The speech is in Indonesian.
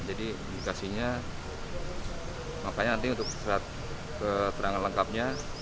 jadi indikasinya makanya nanti untuk lihat keterangan lengkapnya